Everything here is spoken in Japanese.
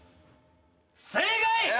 正解！